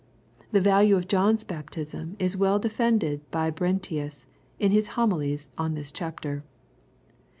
The value of John's baptism is well defended by Brentius, in his Homilies on this chapter.